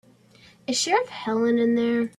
Is Sheriff Helen in there?